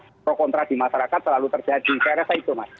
pro kontra di masyarakat selalu terjadi saya rasa itu mas